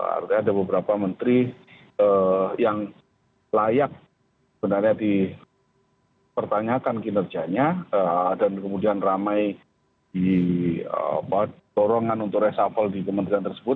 artinya ada beberapa menteri yang layak sebenarnya dipertanyakan kinerjanya dan kemudian ramai di dorongan untuk reshuffle di kementerian tersebut